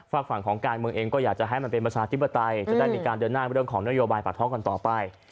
ฝากฝั่งของการเมืองเองก็อยากจะให้มันเป็นประชาธิปไตยจะได้มีการเดินหน้าเรื่องของนโยบายปากท้องกันต่อไป